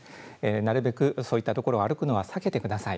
なるべくそういったところを歩くのは避けてください。